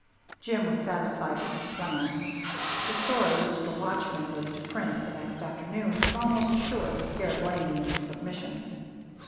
Jim was satisfied with his plan. The story which The Watchman was to print the next afternoon was almost sure to scare Blaney into submission.